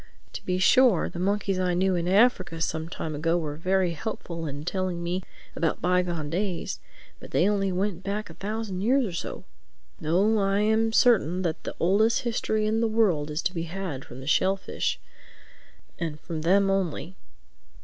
"To be sure, the monkeys I knew in Africa some time ago were very helpful in telling me about bygone days; but they only went back a thousand years or so. No, I am certain that the oldest history in the world is to be had from the shellfish—and from them only.